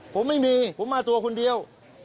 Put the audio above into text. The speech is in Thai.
ผมไม่มีผมมาตัวคนเดียว